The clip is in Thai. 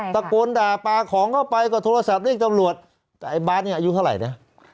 ตะโกนด่าปลาของเข้าไปก็โทรศัพท์เรียกตำรวจแต่ไอ้บาทเนี่ยอายุเท่าไหร่นะ